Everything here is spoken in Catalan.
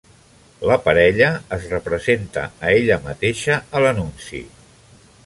La parella es representa a ella mateixa a l'anunci.